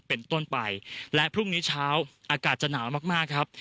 เป็นต้นไปและพรุ่งนี้เช้าอากาศจะหนาวมากมากครับ